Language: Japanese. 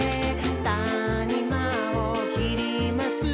「たにまをきります」